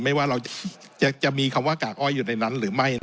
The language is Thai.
ว่าเราจะมีคำว่ากากอ้อยอยู่ในนั้นหรือไม่